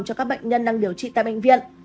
cho các bệnh nhân đang điều trị tại bệnh viện